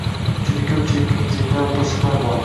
Juda ko'p qiyinchiliklar va to'siqlar bor